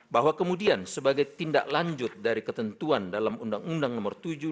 bahwa kemudian sebagai tindak lanjut dari ketentuan dalam undang undang no tujuh dua ribu tujuh belas diatas